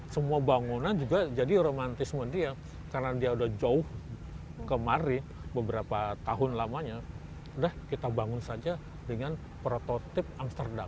semua bangunan juga jadi romantisme dia karena dia udah jauh kemari beberapa tahun lamanya udah kita bangun saja dengan prototip amsterdam